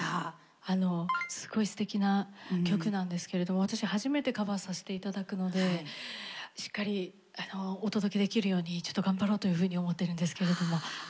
あのすごいすてきな曲なんですけれども私初めてカバーさせて頂くのでしっかりお届けできるようにちょっと頑張ろうというふうに思ってるんですけれども。